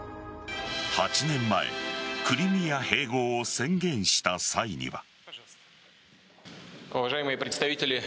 ８年前クリミア併合を宣言した際には。